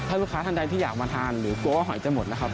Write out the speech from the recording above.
ถ้าลูกค้าท่านใดที่อยากมาทานหรือกลัวว่าหอยจะหมดนะครับ